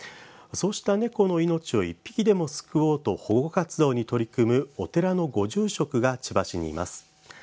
そうした猫の命を１匹でも救おうと保護活動に取り組むお寺のご住職が千葉市にいます。